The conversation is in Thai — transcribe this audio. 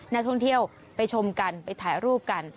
นักท่องเที่ยวไปชมกันไปถ่ายรูปกัน